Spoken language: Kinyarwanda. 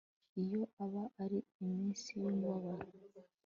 iyo aba ari iminsi yumubabaro